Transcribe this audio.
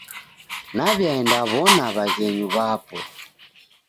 Naw'iaendaw'ona w'aghenyu w'apo.